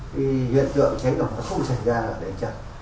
cái hiện tượng cháy nó không xảy ra là để chặt